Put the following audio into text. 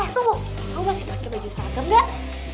eh tunggu lo masih pake baju seragam gak